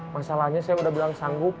masalahnya saya udah bilang sanggup